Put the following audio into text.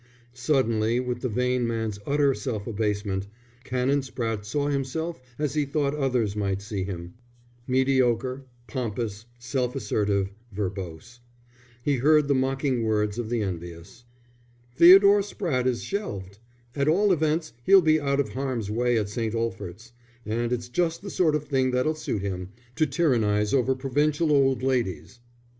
Suddenly, with the vain man's utter self abasement, Canon Spratte saw himself as he thought others might see him: mediocre, pompous, self assertive, verbose. He heard the mocking words of the envious: "Theodore Spratte is shelved. At all events he'll be out of harm's way at St. Olphert's, and it's just the sort of thing that'll suit him to tyrannize over provincial old ladies."